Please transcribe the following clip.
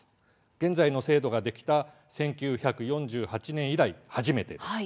現在の制度ができた１９４８年以来、初めてです。